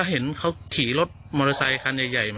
เห็นเขาขี่รถมอเตอร์ไซคันใหญ่มา